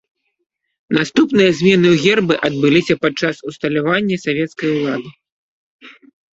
Наступныя змены ў гербы адбыліся пад час усталяванне савецкай улады.